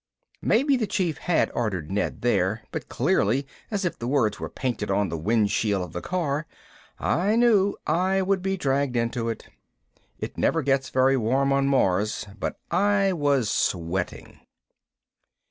Maybe the Chief had ordered Ned there, but clearly as if the words were painted on the windshield of the car, I knew I would be dragged into it. It never gets very warm on Mars, but I was sweating.